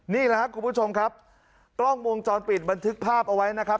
นี่แหละครับคุณผู้ชมครับกล้องวงจรปิดบันทึกภาพเอาไว้นะครับ